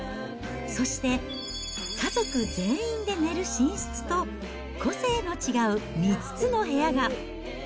そして、家族全員で寝る寝室と、個性の違う３つの部屋が。